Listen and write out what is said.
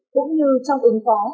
cũng như trong ứng phó